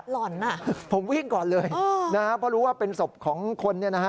หล่อนนะผมวิ่งก่อนเลยนะครับเพราะรู้ว่าเป็นศพของคน